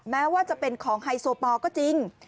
แม้ว่าจะเป็นของไฮโซปอลก็จริง